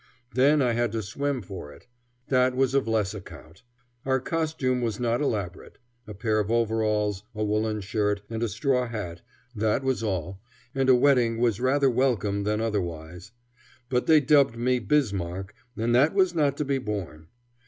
Then I had to swim for it. That was of less account. Our costume was not elaborate, a pair of overalls, a woollen shirt, and a straw hat, that was all, and a wetting was rather welcome than otherwise; but they dubbed me Bismarck, and that was not to be borne.